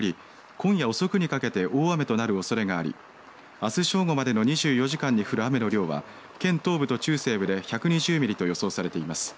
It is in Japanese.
今夜遅くにかけて大雨となるおそれがありあす正午までの２４時間に降る雨の量は県東部と中西部で１２０ミリと予想されています。